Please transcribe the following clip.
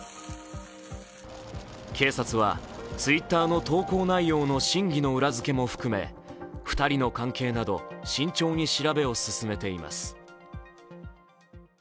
警察はＴｗｉｔｔｅｒの投稿内容の真偽の裏付けも含め２人の関係など慎重に調べを進めています。